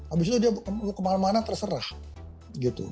abis itu dia mau kemana mana terserah gitu